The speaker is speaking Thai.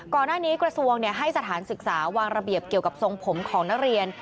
ก่อนหน้านี้กระทรวงให้สถานศึกษาวางระเบียบเกี่ยวกับทรงผมของนักเรียน